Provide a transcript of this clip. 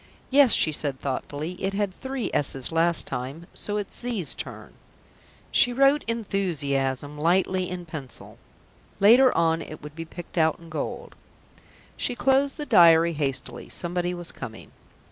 "Yes," she said thoughtfully. "It had three 's's' last time, so it's 'z's' turn." She wrote "enthuzziazm" lightly in pencil; later on it would be picked out in gold. She closed the diary hastily. Somebody was coming.